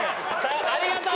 ありがとう！